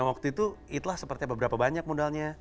waktu itu itlah seperti apa berapa banyak modalnya